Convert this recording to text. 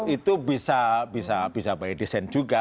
itu bisa by design juga